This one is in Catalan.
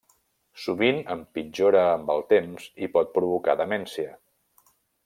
Sovint empitjora amb el temps i pot provocar demència.